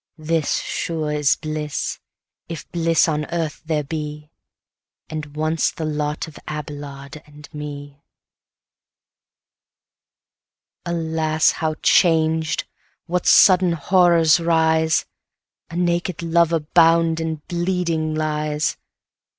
This, sure, is bliss (if bliss on earth there be) And once the lot of Abelard and me. Alas, how changed! what sudden horrors rise! A naked lover bound and bleeding lies!